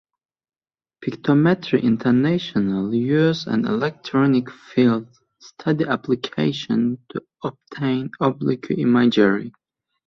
Pictometry International uses an electronic field study application to obtain oblique imagery.